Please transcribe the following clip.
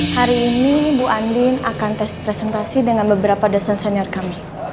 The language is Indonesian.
hari ini bu andin akan tes presentasi dengan beberapa dosen senior kami